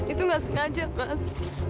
itu gak sengaja mas